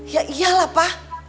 ya iyalah pa